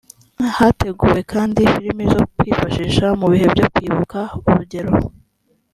hateguwe kandi filimi zo kwifashisha mu bihe byo kwibuka urugero